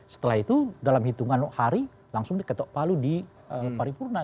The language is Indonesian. setelah itu dalam hitungan hari langsung diketok palu di paripurna